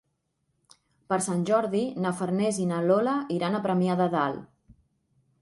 Per Sant Jordi na Farners i na Lola iran a Premià de Dalt.